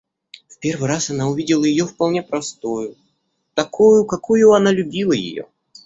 В первый раз она увидела ее вполне простою, такою, какою она любила ее.